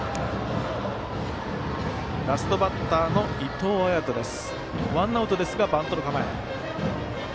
ラストバッターの伊藤彩斗です。